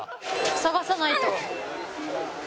探さないと。